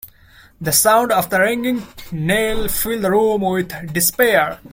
The sound of the ringing Knell filled the room with despair.